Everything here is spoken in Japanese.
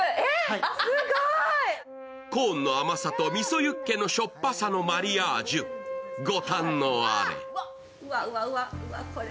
コーンの甘さと味噌ユッケのしょっぱさのマリアージュ、ご堪能荒れ。